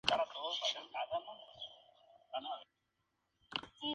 Él perdió su asiento y lugar en el gabinete tras estas elecciones.